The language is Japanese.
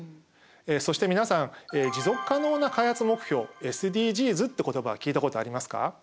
そして皆さん持続可能な開発目標ＳＤＧｓって言葉は聞いたことありますか？